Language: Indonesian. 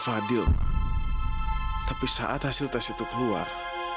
apa sih dokter